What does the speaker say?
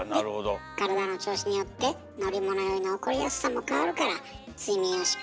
で体の調子によって乗り物酔いの起こりやすさも変わるからということですね。